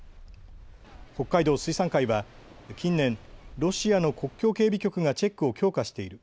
北海道水産会は近年、ロシアの国境警備局がチェックを強化している。